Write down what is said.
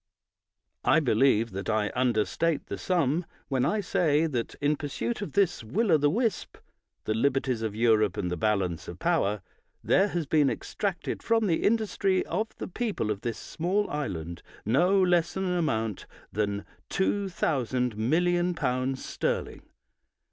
I believe that I understate the sum when I say that, in pursuit of this will o' the wisp (the liberties of Europe and the balance of power), there has been extracted from the industry of the people of this small island no less an amount than 2,000,000,000L sterling.